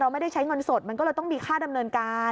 ไม่ได้ใช้เงินสดมันก็เลยต้องมีค่าดำเนินการ